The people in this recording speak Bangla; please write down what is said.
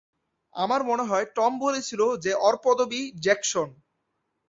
আমার মনে হয় টম বলেছিল যে ওর পদবি জ্যাকসন।